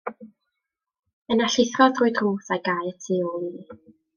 Yna llithrodd drwy'r drws, a'i gau y tu ôl iddi.